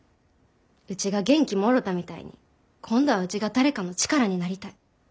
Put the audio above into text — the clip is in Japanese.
うちが元気貰たみたいに今度はうちが誰かの力になりたい。